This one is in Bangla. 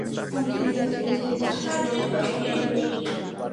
অনেকে এ-ও বলছেন, বেশি গণতন্ত্রেরও দরকার নেই, দরকার নেই অবাধ নির্বাচনের।